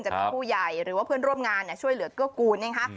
จะมีผู้ใหญ่หรือว่าเพื่อนร่วมงานช่วยเหลือเกื้อกูลนะคะ